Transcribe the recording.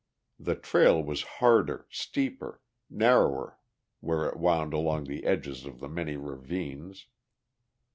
The trail was harder, steeper, narrower where it wound along the edges of the many ravines.